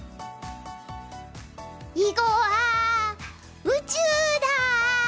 囲碁は宇宙だ！